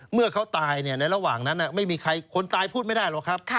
เมื่อเขาตายในระหว่างนั้นไม่มีใครคนตายพูดไม่ได้หรอกครับ